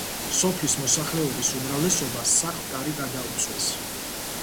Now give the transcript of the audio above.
სოფლის მოსახლეობის უმრავლესობას სახლ-კარი გადაუწვეს.